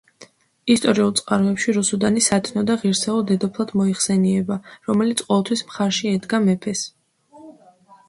ისტორიულ წყაროებში რუსუდანი სათნო და ღირსეულ დედოფლად მოიხსენიება, რომელიც ყოველთვის მხარში ედგა მეფეს.